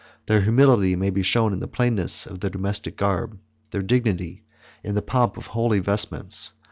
Their humility may be shown in the plainness of their domestic garb; their dignity, in the pomp of holy vestments.